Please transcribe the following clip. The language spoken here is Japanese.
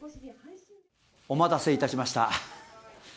お待たせいたしました。